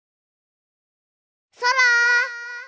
そら！